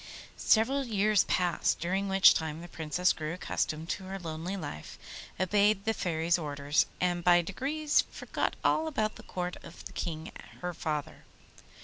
Several years passed, during which time the Princess grew accustomed to her lonely life, obeyed the Fairy's orders, and by degrees forgot all about the court of the King her father.